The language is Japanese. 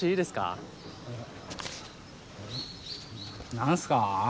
何すか？